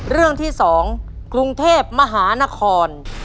เรื่องที่๒กรุงเทพมหานคร